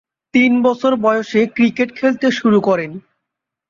তিন বছর বয়সে ক্রিকেট খেলতে শুরু করেন।